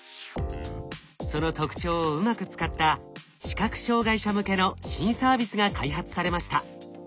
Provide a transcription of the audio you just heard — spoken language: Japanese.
その特徴をうまく使った視覚障害者向けの新サービスが開発されました。